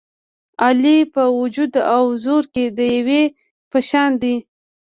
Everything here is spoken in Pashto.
علي په وجود او زور کې د دېو په شان دی.